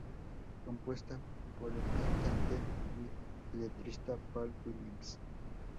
Compuesta por el cantante y letrista Paul Williams.